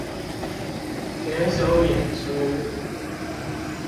聯手演出